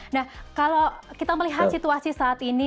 nah kalau kita melihat situasi saat ini